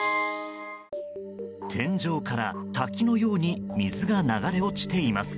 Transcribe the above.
天井から滝のように水が流れ落ちています。